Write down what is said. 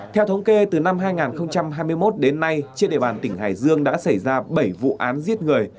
theo thống kê từ năm hai nghìn hai mươi một đến nay trên địa bàn tỉnh hải dương đã xảy ra bảy vụ án giết người